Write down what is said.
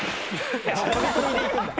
飛び込みで行くんだ。